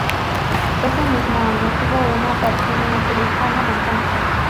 Ese mismo año tuvo una aparición en la serie "Hannah Montana".